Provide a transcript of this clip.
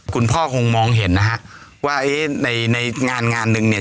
คุณพ่อคงมองเห็นนะฮะว่าเอ๊ะในในงานงานหนึ่งเนี่ย